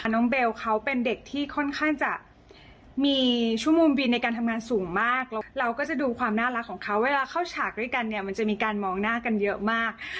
น้องเบลเขาเป็นเด็กที่ค่อนข้างจะมีชั่วโมงบินในการทำงานสูงมากแล้วเราก็จะดูความน่ารักของเขาเวลาเข้าฉากด้วยกันเนี่ยมันจะมีการมองหน้ากันเยอะมาก